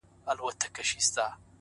o د نيمي شپې د خاموشۍ د فضا واړه ستـوري،